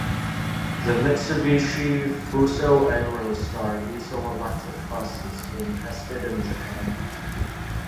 The Mitsubishi Fuso Aero Star diesel-electric bus is being tested in Japan.